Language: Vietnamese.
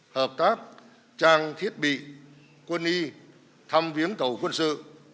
hợp tác trang thiết bị quân y thăm viếng tàu quân sự